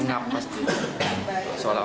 seolah olah berasa seperti sesak